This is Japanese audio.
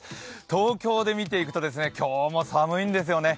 東京で見ていくと、今日も寒いんですよね。